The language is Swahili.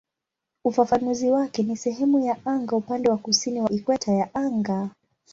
Ufafanuzi wake ni "sehemu ya anga upande wa kusini wa ikweta ya anga".